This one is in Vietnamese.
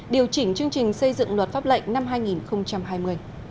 điều chỉnh chương trình xây dựng luật pháp lệnh năm hai nghìn hai mươi